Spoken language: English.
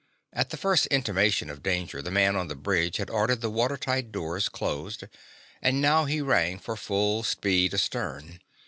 At the first intimation of danger the man on the bridge had ordered the water tight doors, closed, and now he rang for full speed astern.